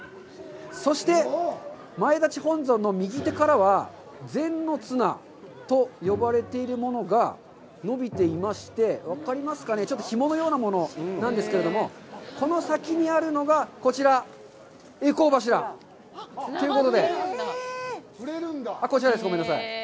そして、前立本尊の右手からは、「善の綱」と呼ばれているものが伸びていまして、分かりますかね、ちょっとひものようなものなんですけれども、この先にあるのが、こちら、回向柱、ということで、こちらです、ごめんなさい。